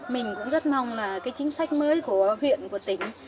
mình cũng rất mong là cái chính sách mới của huyện của tỉnh